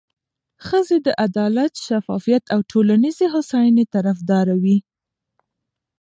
ښځې د عدالت، شفافیت او ټولنیزې هوساینې طرفداره وي.